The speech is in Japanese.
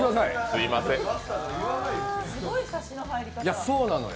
すごいサシの入り方。